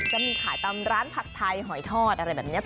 จะมีขายตามร้านผัดไทยหอยทอดอะไรแบบนี้